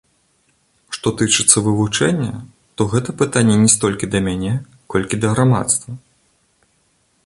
Што тычыцца вылучэння, то гэта пытанне не столькі да мяне, колькі да грамадства.